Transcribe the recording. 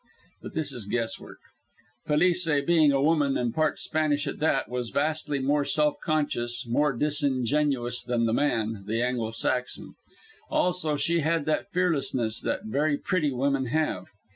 But this is guesswork. Felice being a woman, and part Spanish at that, was vastly more self conscious, more disingenuous, than the man, the Anglo Saxon. Also she had that fearlessness that very pretty women have.